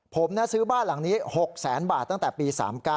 ผมซื้อบ้านหลังนี้๖แสนบาทตั้งแต่ปี๓๙